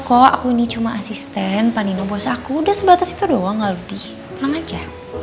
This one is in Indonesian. kok aku ini cuma asisten panino bos aku udah sebatas itu doang gak lebih tenang aja